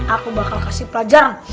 aku bakal kasih pelajaran